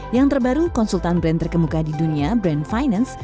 yang terbaru konsultan brand terkemuka di dunia brand finance